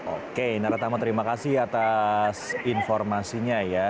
oke naratama terima kasih atas informasinya ya